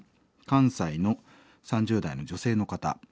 関西の３０代の女性の方。